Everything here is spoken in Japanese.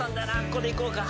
ここでいこうか。